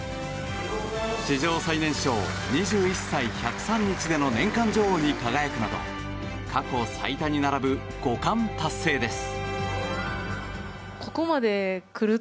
史上最年少２１歳１０３日での年間女王に輝くなど過去最多に並ぶ５冠達成です。